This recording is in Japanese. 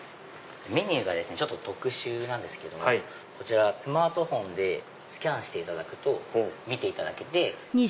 メニューがちょっと特殊なんですけどもこちらスマートフォンでスキャンしていただくと見ていただけて。